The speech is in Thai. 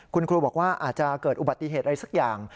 คุณครูบอกว่าอาจจะเกิดอุบัติเหตุอะไรสักอย่าง